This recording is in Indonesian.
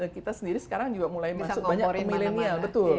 kita sendiri sekarang juga mulai masuk banyak ke millennial